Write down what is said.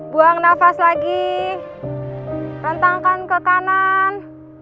buang nafas lagi rentangkan ke kanan